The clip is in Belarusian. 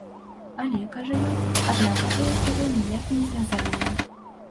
Але, кажа ён, адна падзея з другой ніяк не звязаная.